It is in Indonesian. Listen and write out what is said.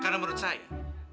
karena menurut saya